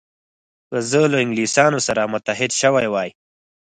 که زه له انګلیسانو سره متحد شوی وای.